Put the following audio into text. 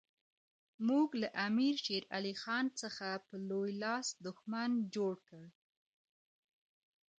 موږ له امیر شېر علي خان څخه په لوی لاس دښمن جوړ کړ.